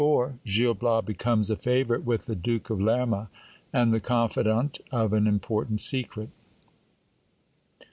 — Gil Bias becomes a favourite with the Duke of Lcrma, and the confidant ofa?i important secret.